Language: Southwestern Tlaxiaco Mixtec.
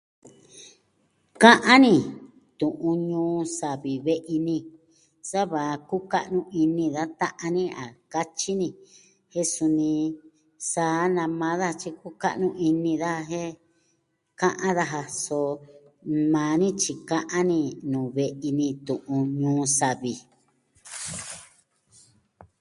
Ka'an ni tu'un ñuu savi ve'i ni sa va kuka'nu ini da ta'an ni a katyi ni. Jen suni, saa na maa daja tyi kuka'nu ini daja jen, ka'an daja so maa ni tyi ka'an ni nuu ve'i ni tu'un on Ñuu savi.